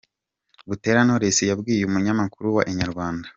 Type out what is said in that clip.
Butera Knowless yabwiye umunyamakuru wa Inyarwanda.